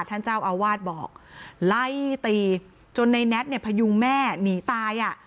ท่านเจ้าอาวาสบอกไล่ตีจนในแน็ตเนี่ยพยุงแม่หนีตายอ่ะ